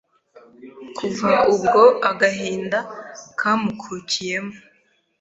kuva ubwo agahinda kamukukiyemo